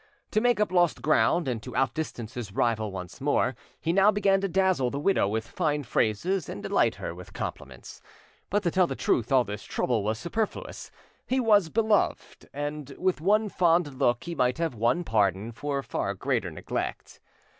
To make up lost ground and to outdistance his rival once more, he now began to dazzle the widow with fine phrases and delight her with compliments; but to tell the truth all this trouble was superfluous; he was beloved, and with one fond look he might have won pardon for far greater neglect.